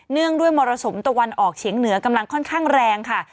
งด้วยมรสุมตะวันออกเฉียงเหนือกำลังค่อนข้างแรงค่ะ